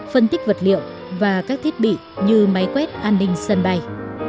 phân tích vật liệu và các thiết bị như máy quét an ninh sân bay